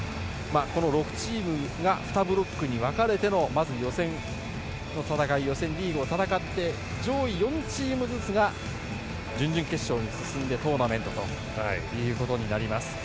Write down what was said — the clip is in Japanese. ６チームが２ブロックに分かれてのまず予選リーグを戦って上位４チームずつが準々決勝に進んでトーナメントとなります。